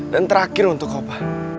dan terakhir untuk opa